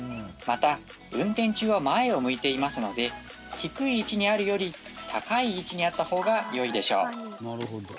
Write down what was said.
また運転中は前を向いていますので低い位置にあるより高い位置にあった方がよいでしょう。